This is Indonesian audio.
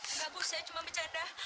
enggak bu saya cuma bicara